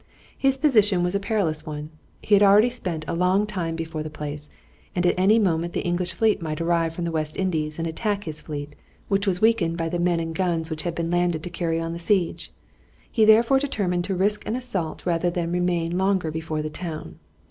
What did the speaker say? His position was a perilous one. He had already spent a long time before the place, and at any moment the English fleet might arrive from the West Indies and attack his fleet, which was weakened by the men and guns which had been landed to carry on the siege. He therefore determined to risk an assault rather than remain longer before the town.